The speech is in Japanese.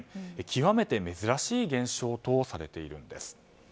極めて珍しい現象とされているんです。